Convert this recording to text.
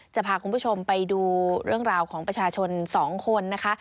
จะพาคุณผู้ชมไปดูเรื่องราวของประชาชน๒คนนะคะ